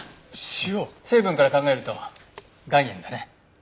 成分から考えると岩塩だね。